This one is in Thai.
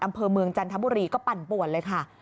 อำเภอเมืองจันทบุรีก็ปั่นป่วนเลยค่ะ